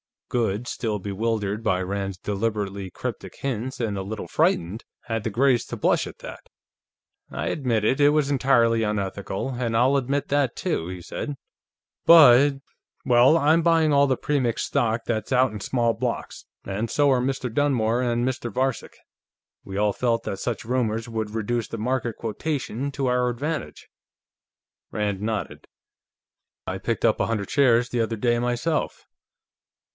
Goode, still bewildered by Rand's deliberately cryptic hints and a little frightened, had the grace to blush at that. "I admit it; it was entirely unethical, and I'll admit that, too," he said. "But.... Well, I'm buying all the Premix stock that's out in small blocks, and so are Mr. Dunmore and Mr. Varcek. We all felt that such rumors would reduce the market quotation, to our advantage." Rand nodded. "I picked up a hundred shares, the other day, myself.